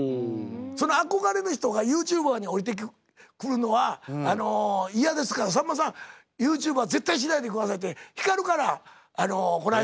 「その憧れの人がユーチューバーに下りてくるのは嫌ですからさんまさんユーチューバー絶対しないでください」ってヒカルからこないだ言われて決心固まったんです。